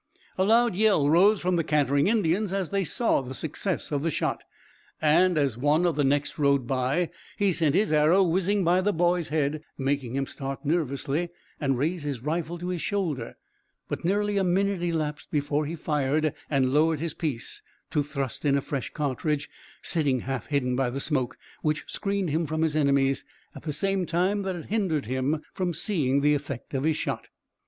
A loud yell rose from the cantering Indians as they saw the success of the shot, and as one of the next rode by he sent his arrow whizzing by the boy's head, making him start nervously and raise his rifle to his shoulder; but nearly a minute elapsed before he fired and lowered his piece to thrust in a fresh cartridge, sitting half hidden by the smoke, which screened him from his enemies at the same time that it hindered him from seeing the effect of his shot.